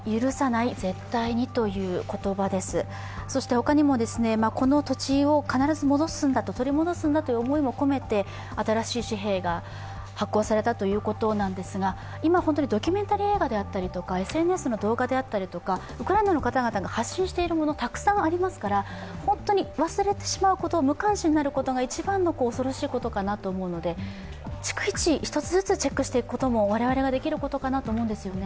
他にも、この土地を必ず取り戻すんだという思いを込めて新しい紙幣が発行されたということなんですが、今ドキュメンタリー映画であったり、ＳＮＳの動画であったりとか、ウクライナの方々が発信しているもの、たくさんありますから本当に忘れてしまうこと、無関心になることが一番の恐ろしいことかなと思うので、逐一、１つずつチェックをしていくことが我々のできることかなと思います。